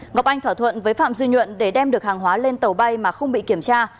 ngọc anh thỏa thuận với phạm duy nhuận để đem được hàng hóa lên tàu bay mà không bị kiểm tra